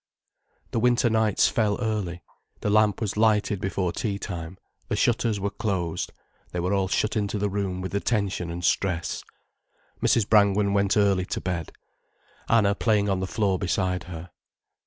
The winter nights fell early, the lamp was lighted before tea time, the shutters were closed, they were all shut into the room with the tension and stress. Mrs. Brangwen went early to bed, Anna playing on the floor beside her.